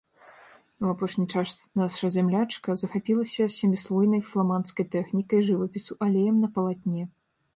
У апошні час наша зямлячка захапілася сяміслойнай фламандскай тэхнікай жывапісу алеем на палатне.